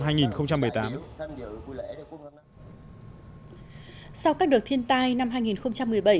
sau các đợt thiên tai năm hai nghìn một mươi bảy